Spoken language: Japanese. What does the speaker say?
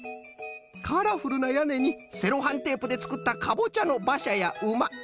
カラフルなやねにセロハンテープでつくったかぼちゃのばしゃやうま！